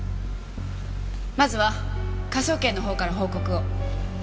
まずは科捜研の方から報告を。